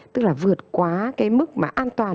tức là vượt quá cái mức mà an toàn